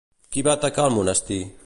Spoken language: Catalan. Qui va atacar el monestir?